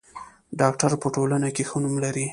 ډاکټر په ټولنه کې ښه نوم لري.